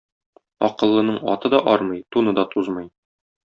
Акыллының аты да армый, туны да тузмый.